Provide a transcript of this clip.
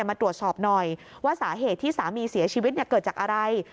มาตรวจสอบหน่อยว่าสาเหตุที่สามีเสียชีวิตเกิดจากอะไร